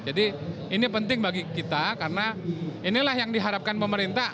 jadi ini penting bagi kita karena inilah yang diharapkan pemerintah